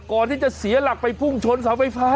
ก่อนที่จะเสียหลักไปพุ่งชนเสาไฟฟ้า